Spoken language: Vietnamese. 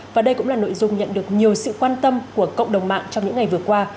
và đây cũng là nội dung nhận được nhiều sự quan tâm của cộng đồng mạng trong những ngày vừa qua